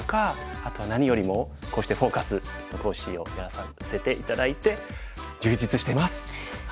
あと何よりもこうして「フォーカス」の講師をやらせて頂いて充実してます！